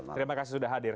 terima kasih bang syarif